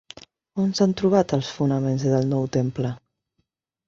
On s'han trobat els fonaments del nou temple?